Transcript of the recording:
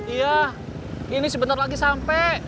iya ini sebentar lagi sampai